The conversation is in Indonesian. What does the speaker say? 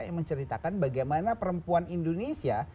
yang menceritakan bagaimana perempuan indonesia